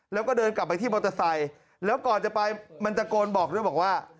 แล้วก็เดินกลับไปที่มอเตอร์ไซค์แล้วก่อนจะไปมันตะโกนบอกด้วยบอกว่า